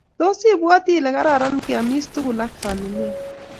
tos ibwoti ile kararan keomis tugul ak familia?